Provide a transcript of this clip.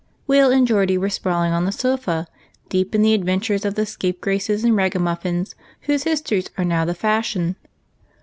Will and Geordie were sprawling on the sofa, deep in the adventures of the scapegraces and ragamuffins whose histories are now the fashion.